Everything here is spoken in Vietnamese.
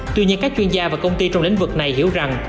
tuy nhiên các chuyên gia và công ty trong lĩnh vực này hiểu rằng